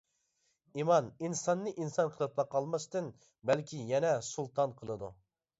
ئىمان ئىنساننى ئىنسان قىلىپلا قالماستىن، بەلكى يەنە سۇلتان قىلىدۇ.